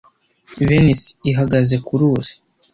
Venise ihagaze ku ruzi